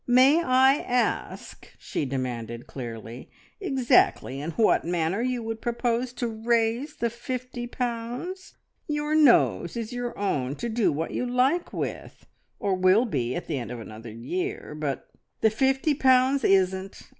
"May I ask," she demanded clearly, "exactly in what manner you would propose to raise the fifty pounds? Your nose is your own to do what you like with or will be at the end of another year but " "The fifty pounds isn't!